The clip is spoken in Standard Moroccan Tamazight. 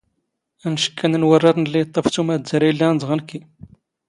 ⴰⵏⵛⴽⴽ ⴰⵏⵏ ⵏ ⵡⴰⵔⵔⴰⵜⵏ ⵍⵍⵉ ⵉⵟⵟⴰⴼ ⵜⵓⵎ ⴰⴷ ⴷⴰⵔⵉ ⵉⵍⵍⴰⵏ ⴷⵖ ⵏⴽⴽⵉ.